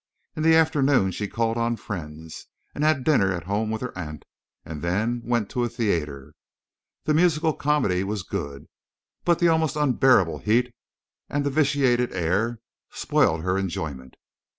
In the afternoon she called on friends, and had dinner at home with her aunt, and then went to a theatre. The musical comedy was good, but the almost unbearable heat and the vitiated air spoiled her enjoyment.